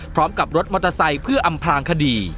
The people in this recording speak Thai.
พร้อมกับรถมอเตอร์ไซค์เพื่ออำพลางคดี